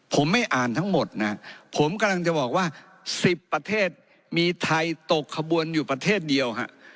ผมไม่อ่านทั้งหมดนะผมกำลังจะบอกว่า๑๐ประเทศมีไทยตกขบวนอยู่ประเทศเดียวฮะ